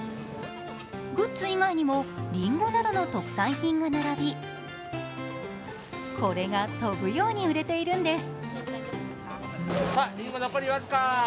グッズ以外にもりんごなどの特産品が並び、これが飛ぶように売れているんです。